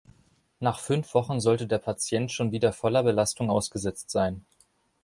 Nach fünf Wochen sollte der Patient schon wieder voller Belastung ausgesetzt sein.